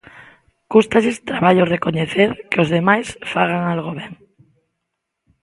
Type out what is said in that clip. Cústalles traballo recoñecer que os demais fagan algo ben.